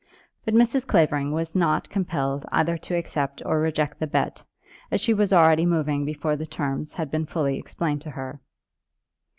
But Mrs. Clavering was not compelled either to accept or reject the bet, as she was already moving before the terms had been fully explained to her.